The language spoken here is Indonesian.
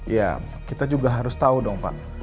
ya kita juga harus tahu dong pak